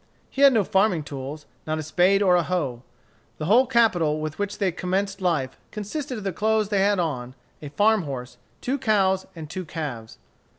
He had no farming tools; not a spade or a hoe. The whole capital with which they commenced life consisted of the clothes they had on, a farm horse, two cows, and two calves.